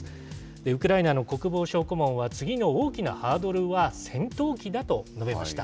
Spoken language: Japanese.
ウクライナの国防相顧問は、次の大きなハードルは戦闘機だと述べました。